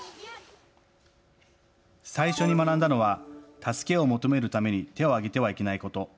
最初に学んだのは助けを求めるために手を上げてはいけないこと。